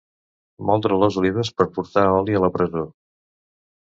Moldre les olives per portar oli a la presó.